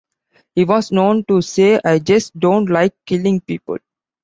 He was known to say I just don't like killing people.